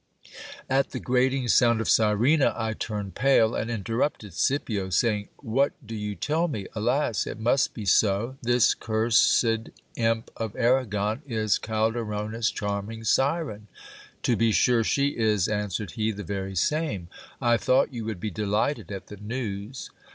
At the grating sound of Sirena I turned pale, and interrupted Scipio, saying — What do you tell me? Alas! it must be so: This cursed imp of Arragon is Calderona's charming Siren. To be sure she is, answered he, the very same ! I thought you would be delighted at the news.